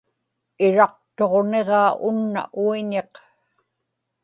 iraqtuġniġaa unna uiñiq